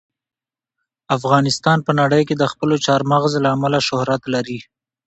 افغانستان په نړۍ کې د خپلو چار مغز له امله شهرت لري.